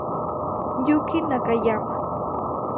Yuki Nakayama